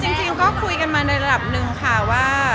จริงก็คุยกันมาในระดับหนึ่งค่ะว่า